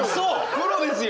プロですよ！